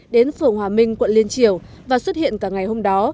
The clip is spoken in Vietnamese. đến phường hòa minh quận liên triều và xuất hiện cả ngày hôm đó